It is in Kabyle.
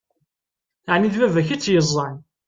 Ɛni d baba-k i tt-yeẓẓan?